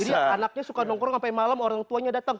jadi anaknya suka nongkrong sampai malam orang tuanya datang